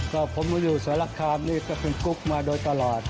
ก็ผมมีอยู่สระคามนี้กับคุณกุ๊กมาโดยตลอด